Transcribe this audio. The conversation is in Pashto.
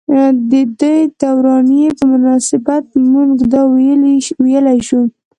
ددې دورانيې پۀ مناسبت مونږدا وئيلی شو ۔